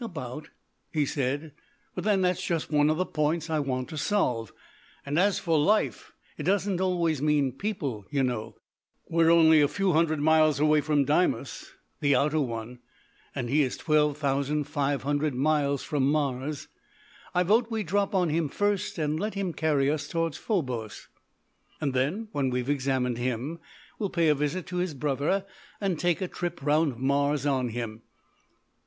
"About," he said, "but then that's just one of the points I want to solve; and as for life, it doesn't always mean people, you know. We are only a few hundred miles away from Deimos, the outer one, and he is twelve thousand five hundred miles from Mars. I vote we drop on him first and let him carry us towards Phobos. And then when we've examined him we'll pay a visit to his brother and take a trip round Mars on him.